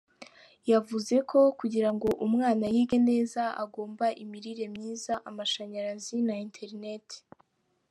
Yavuze ko kugira ngo umwana yige neza agomba imirire myiza , amashanyarazi na interineti.